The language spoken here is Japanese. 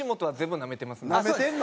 なめてんの？